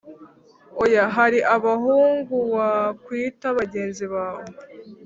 oya hari abahungu wa kwita bagenzi bawe